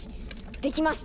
できました。